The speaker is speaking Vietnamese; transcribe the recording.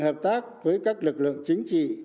hợp tác với các lực lượng chính trị